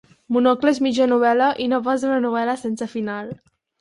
Monocle és mitja novel·la, i no pas una novel·la sense final.